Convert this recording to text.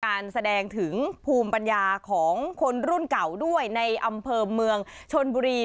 การแสดงถึงภูมิปัญญาของคนรุ่นเก่าด้วยในอำเภอเมืองชนบุรี